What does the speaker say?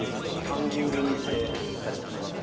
ハンギングにしてたりもしますけれど。